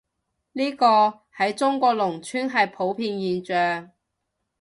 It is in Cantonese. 呢個，喺中國農村係普遍現象